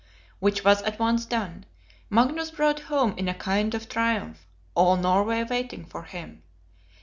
Which was at once done, Magnus brought home in a kind of triumph, all Norway waiting for him.